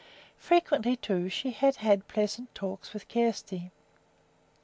Frequently, too, she had had pleasant talks with Kjersti.